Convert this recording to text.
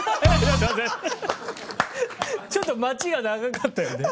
ちょっと待ちが長かったよね。